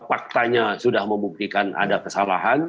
faktanya sudah membuktikan ada kesalahan